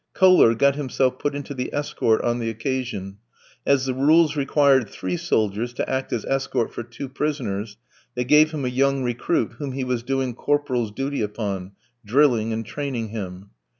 Kohler got himself put into the escort on the occasion; as the rules required three soldiers to act as escort for two prisoners, they gave him a young recruit whom he was doing corporal's duty upon, drilling and training him.